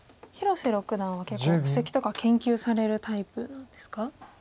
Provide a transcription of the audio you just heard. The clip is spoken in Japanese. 広瀬六段は結構布石とか研究されるタイプなんですか？